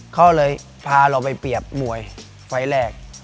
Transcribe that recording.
เขาเลยพาเราไปเปรียบมวยไฟล์แรก